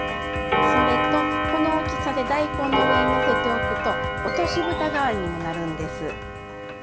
それとこの大きさで大根の上にのせておくと落としぶた代わりにもなるんです！